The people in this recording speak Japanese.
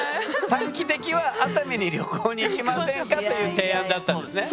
短期的は「熱海に旅行に行きませんか」という提案だったんですね？